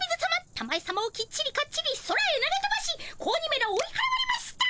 たまえさまをきっちりかっちり空へ投げとばし子鬼めらを追いはらわれました。